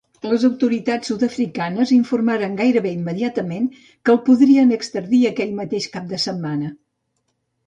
Les autoritats sud-africanes informaren gairebé immediatament que el podrien extradir aquell mateix cap de setmana.